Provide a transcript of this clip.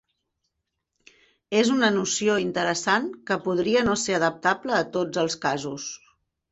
És una noció interessant que podria no ser adaptable a tots els casos.